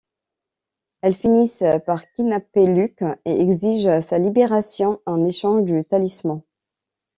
Elles finissent par kidnapper Luke et exigent sa libération en échange du talisman.